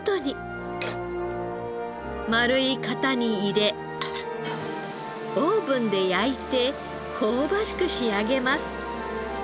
丸い型に入れオーブンで焼いて香ばしく仕上げます。